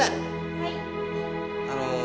あの。